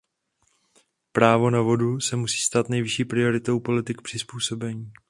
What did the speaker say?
Právo na vodu se musí stát nejvyšší prioritou politik přizpůsobení.